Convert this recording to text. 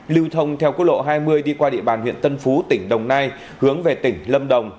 lưu thông theo quốc lộ hai mươi đi qua địa bàn huyện tân phú tỉnh đồng nai hướng về tỉnh lâm đồng